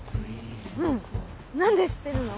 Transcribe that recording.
うん何で知ってるの？